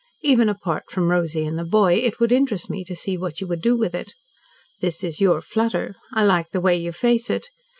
Even apart from Rosy and the boy, it would interest me to see what you would do with it. This is your 'flutter.' I like the way you face it.